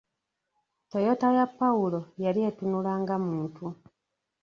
Toyota ya pawulo yali etunula nga muntu.